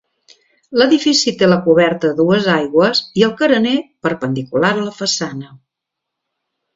L'edifici té la coberta a dues aigües i el carener perpendicular a la façana.